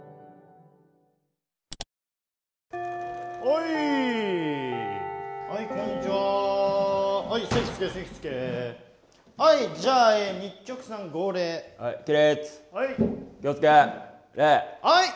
はいじゃあ起立。